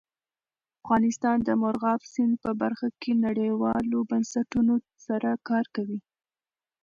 افغانستان د مورغاب سیند په برخه کې نړیوالو بنسټونو سره کار کوي.